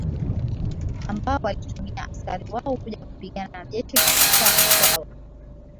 Ambao walituma askari wao kuja kupigana na jeshi la mtwa mkwawa